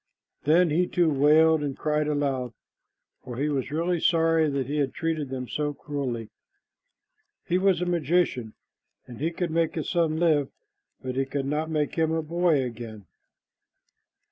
Then he too wailed and cried aloud, for he was really sorry that he had treated them so cruelly. He was a magician, and he could make his son live, but he could not make him a boy again.